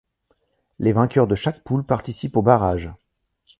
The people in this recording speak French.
Les vainqueurs de chaque poule participent aux barrages.